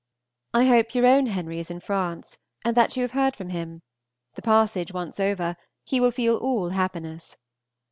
I hope your own Henry is in France, and that you have heard from him; the passage once over, he will feel all happiness.